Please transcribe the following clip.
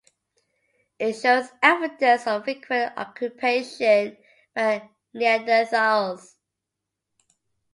It shows evidence of frequent occupation by Neanderthals.